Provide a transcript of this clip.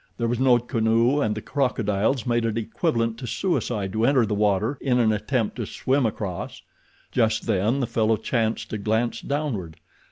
There was no canoe and the crocodiles made it equivalent to suicide to enter the water in an attempt to swim across. Just then the fellow chanced to glance downward.